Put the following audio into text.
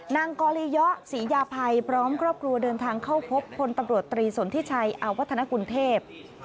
นางกอลียะศรียาภัยพร้อมครอบครัวเดินทางเข้าพบพลตำรวจตรีสนทิชัยอาวัฒนกุลเทพ